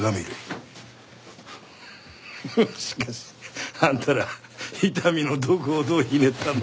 フフッしかしあんたら伊丹のどこをどうひねったんだ？